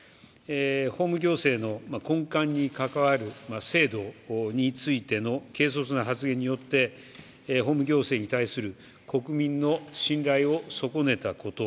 法務行政の根幹に関わる制度についての軽率な発言によって法務行政に対する国民の信頼を損ねたこと、